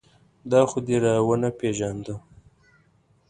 دا خو دې را و نه پېژانده.